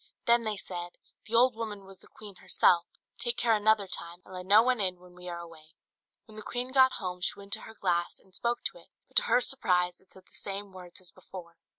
Then they said, "The old woman was the queen herself; take care another time, and let no one in when we are away." When the queen got home, she went to her glass, and spoke to it, but to her surprise it said the same words as before.